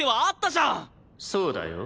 「そうだよ。